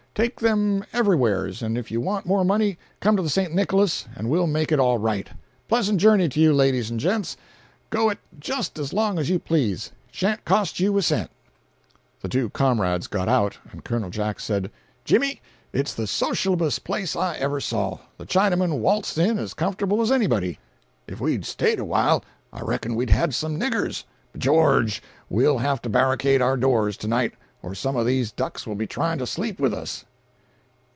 Take them everywheres—and if you want more money, come to the St. Nicholas, and we'll make it all right. Pleasant journey to you, ladies and gents—go it just as long as you please—it shan't cost you a cent!" 328.jpg (93K) The two comrades got out, and Col. Jack said: "Jimmy, it's the sociablest place I ever saw. The Chinaman waltzed in as comfortable as anybody. If we'd staid awhile, I reckon we'd had some niggers. B' George, we'll have to barricade our doors to night, or some of these ducks will be trying to sleep with us."